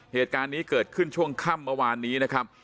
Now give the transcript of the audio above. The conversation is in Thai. เหตุการณ์นี้เกิดขึ้นช่วงค่ำเมื่อวานนี้นะครับ